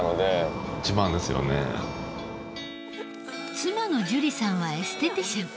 妻の珠里さんはエステティシャン。